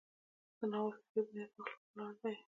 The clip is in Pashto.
د ناول فکري بنیاد په اخلاقو ولاړ دی.